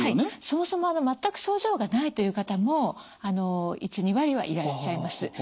そもそも全く症状がないという方も１２割はいらっしゃいます。